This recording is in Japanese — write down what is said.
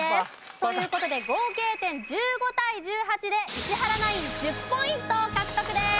という事で合計点１５対１８で石原ナイン１０ポイント獲得です！